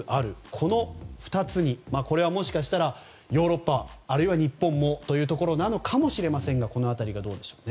この２つにこれはもしかしたらヨーロッパあるいは日本もというところなのかもしれませんがこの辺りがどうでしょうか。